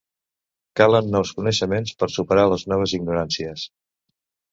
Calen nous coneixements per superar les noves ignoràncies.